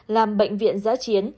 làm bệnh viện giá chiến